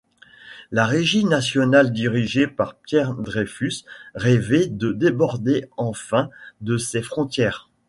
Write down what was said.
La Régie nationale dirigée par Pierre Dreyfus rêvait de déborder enfin de ses frontières.